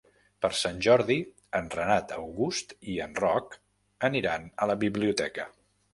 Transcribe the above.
Per Sant Jordi en Renat August i en Roc aniran a la biblioteca.